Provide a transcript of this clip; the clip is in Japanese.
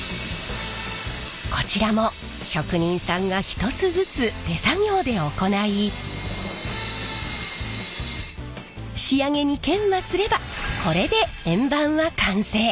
こちらも職人さんが１つずつ手作業で行い仕上げに研磨すればこれで円盤は完成！